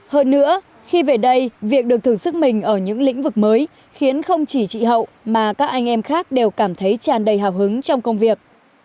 hơn nữa khi về đây việc được thử sức mình ở những lĩnh vực mới khiến không chỉ chị hậu mà các anh em khác đều cảm thấy tràn đầy hào hứng trong công việc